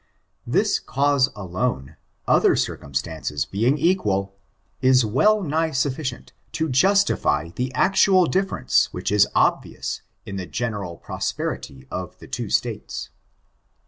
This cause alone, other circumstances being equal, is well nigh sufficient to justify the actual difference which is obvious in the general prosperity of the two States.